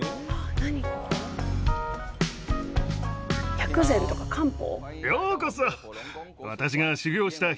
薬膳とか漢方？